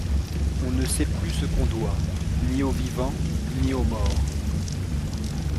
On ne sait plus ce qu'on doit, ni aux vivants, ni aux morts.